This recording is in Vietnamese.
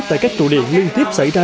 tại các tù điện liên tiếp xảy ra